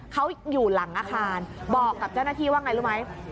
เขาอยู่หลังอาคารบอกกับเจ้าหน้าที่ว่าไงรู้ไหม